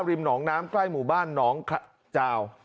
ริมหนองน้ำใกล้หมู่บ้านหนองขาจาว